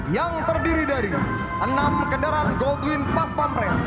yang terdiri dari enam kendaraan gold twin pas pampres